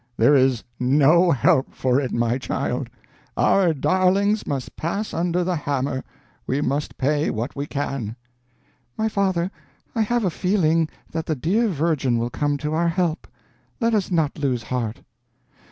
"There is no help for it, my child. Our darlings must pass under the hammer. We must pay what we can." "My father, I have a feeling that the dear Virgin will come to our help. Let us not lose heart."